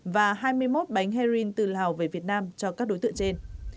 và hai mươi một bánh heroin từ lào về việt nam cho các đối tượng trên